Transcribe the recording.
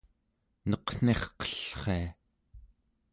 neqnirqellria